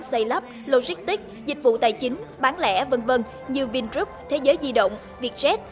xây lấp logistic dịch vụ tài chính bán lẻ v v như vintroop thế giới di động vietjet